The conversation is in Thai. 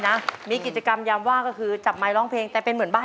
ไขว้ความที่เราคอยมองหา